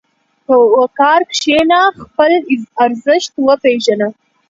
په وقار کښېنه، خپل ارزښت وپېژنه.